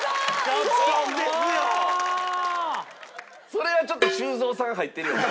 それはちょっと修造さんが入ってるよね。